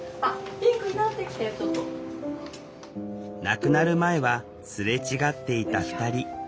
亡くなる前はすれ違っていた２人。